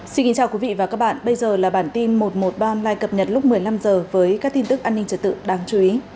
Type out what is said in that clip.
xin kính chào quý vị và các bạn bây giờ là bản tin một trăm một mươi ba online lại cập nhật lúc một mươi năm h với các tin tức an ninh trật tự đáng chú ý